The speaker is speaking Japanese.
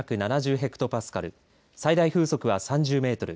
ヘクトパスカル最大風速は３０メートル